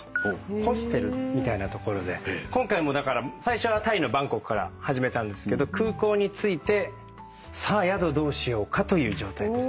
ホステルみたいなところで今回もだから最初はタイのバンコクから始めたんですけど空港に着いてさあ宿どうしようかという状態です。